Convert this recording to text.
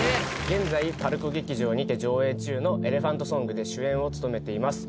現在ＰＡＲＣＯ劇場にて上映中の「エレファント・ソング」で主演を務めています